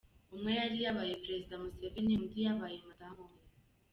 Umwe yari yabaye perezida Museveni undi yabaye Madam we.